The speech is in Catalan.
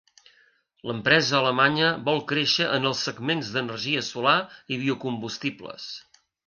L'empresa alemanya vol créixer en els segments d'energia solar i biocombustibles.